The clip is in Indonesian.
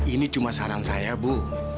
ini cuma saran saya bu